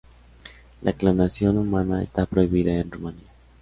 La clonación humana está prohibida en Rumania.